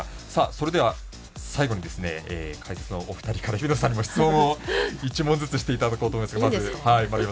それでは、最後に解説のお二人から日々野さんに質問を１問ずつしていこうと思います。